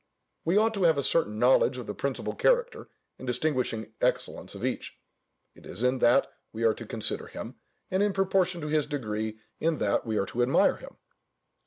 We ought to have a certain knowledge of the principal character and distinguishing excellence of each: it is in that we are to consider him, and in proportion to his degree in that we are to admire him.